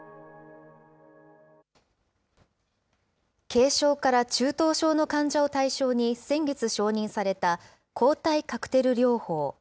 軽症から中等症の患者を中心に、先月承認された、抗体カクテル療法。